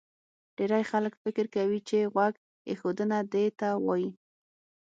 ډېری خلک فکر کوي چې غوږ ایښودنه دې ته وایي